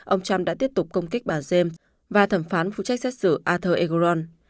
ông trump đã tiếp tục công kích bà james và thẩm phán phụ trách xét xử arthur egoron